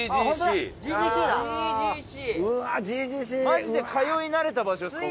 マジで通い慣れた場所です